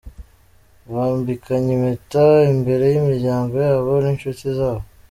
Bambikanye impeta imbere y'imiryango yabo n'inshuti zabo.